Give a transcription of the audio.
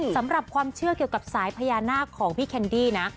สำหรับความเชื่อเกี่ยวกับสายพญานาคของพี่แคนดี้นะ